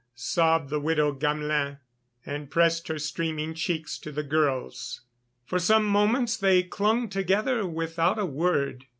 sobbed the widow Gamelin, and pressed her streaming cheeks to the girl's. For some moments they clung together without a word.